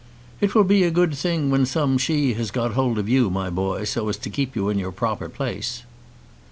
"It will be a good thing when some She has got hold of you, my boy, so as to keep you in your proper place."